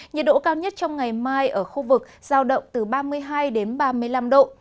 nhiệt độ cao nhất trong ngày mai ở khu vực giao động từ ba mươi hai đến ba mươi năm độ